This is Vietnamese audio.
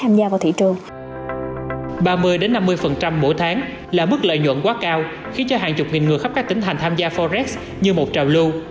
ba mươi năm mươi mỗi tháng là mức lợi nhuận quá cao khiến cho hàng chục nghìn người khắp các tỉnh thành tham gia forex như một trào lưu